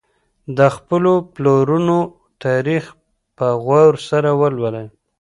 د خپلو پلرونو تاريخ په غور سره ولولئ.